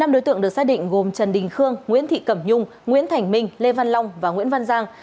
năm đối tượng được xác định gồm trần đình khương nguyễn thị cẩm nhung nguyễn thành minh lê văn long và nguyễn văn giang